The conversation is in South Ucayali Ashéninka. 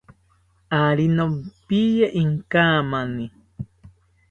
Ari nopiye inkamani